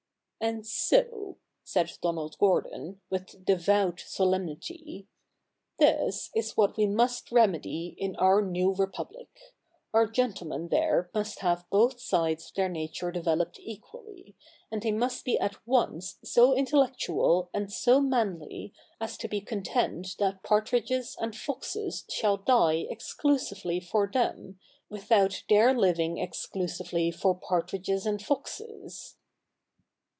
' And so,' said Donald Gordon, with devout solemnity, 'this is what we must remedy in our new Republic. Our gentlemen there must have both sides of their nature developed equally; and they must be at once so intellectual and so manly, as to be content that partridges and foxes shall die exclusively for them, without their living exclusively for partridges and foxes.'